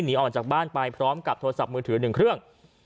หนีออกจากบ้านไปพร้อมกับโทรศัพท์มือถือ๑เครื่อง